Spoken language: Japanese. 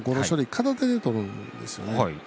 片手でとるんですよね。